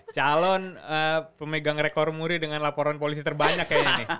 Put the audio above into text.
calon pemegang rekor muri dengan laporan polisi terbanyak kayaknya